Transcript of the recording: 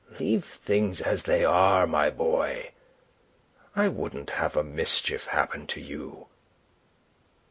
Leave things as they are, my boy. I wouldn't have a mischief happen to you."